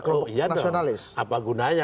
kelompok nasionalis oh iya dong apa gunanya